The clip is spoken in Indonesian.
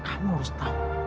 kamu harus tau